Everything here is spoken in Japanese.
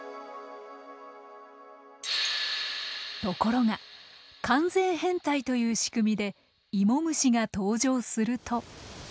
ところが完全変態というしくみでイモムシが登場すると。